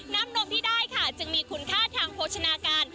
นมที่ได้ค่ะจึงมีคุณค่าทางโภชนาการ